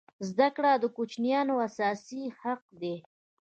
زده کړه د کوچنیانو اساسي حق دی.